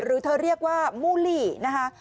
หรือเธอเรียกว่ามูลลี่นะคะ